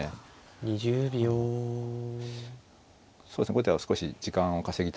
後手は少し時間を稼ぎたい。